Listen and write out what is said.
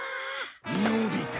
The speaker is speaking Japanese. のび太！